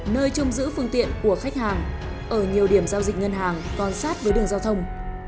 nơi trông giữ phương tiện của khách hàng ở nhiều điểm giao dịch ngân hàng còn sát với đường giao thông